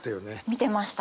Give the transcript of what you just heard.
見てました。